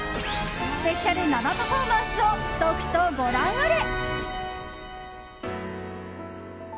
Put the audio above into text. スペシャル生パフォーマンスをとくとご覧あれ！